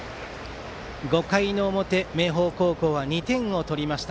５回の表明豊高校は２点を取りました。